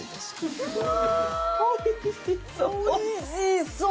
おいしそう。